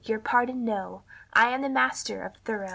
Your pardon, no; I am the master of Thoreau."